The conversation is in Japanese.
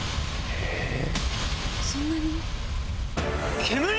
そんなに？